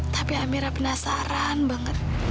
tapi amira penasaran banget